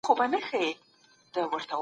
کله چي موږ لولو نو زموږ ذهن پراخېږي.